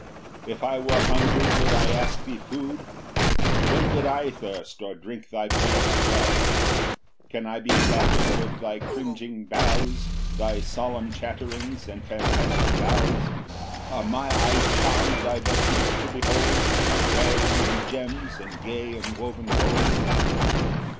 6 If I were hungry would I ask thee food? When did I thirst, or drink thy bullocks blood? Can I be flatter'd with thy cringing bows, Thy solemn chatterings and fantastic vows? Are my eyes charm'd thy vestments to behold, Glaring in gems, and gay in woven gold?